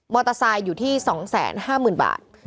มอเตอร์ไซด์อยู่ที่๒๕๐๐๐๐บาท